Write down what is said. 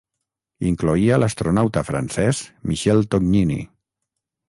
Incloïa l'astronauta francès Michel Tognini.